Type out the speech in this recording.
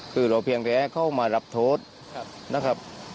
คือเราเพียงแพ้เข้ามารับโทษนะครับ